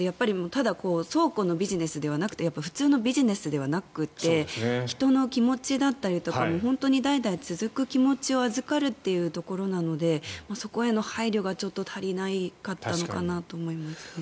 ただ、倉庫のビジネスでなくて普通のビジネスではなくて人の気持ちだったりとか本当に代々続く気持ちを預かるというところなのでそこへの配慮がちょっと足りなかったのかなと思いますね。